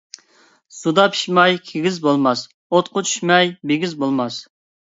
سۇدا پىىشماي كىگىز بولماس، ئوتقا چۈشمەي بىگىز بولماس.